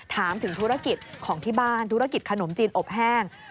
ถามถึงธุรกิจของที่บ้านธุรกิจขนมจีนอบแห้ง